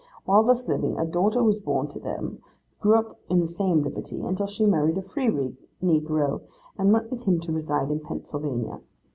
While thus living, a daughter was born to them, who grew up in the same liberty, until she married a free negro, and went with him to reside in Pennsylvania.